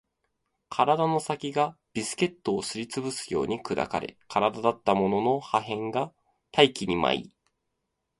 体の先がビスケットをすり潰すように砕かれ、体だったものの破片が大気に舞い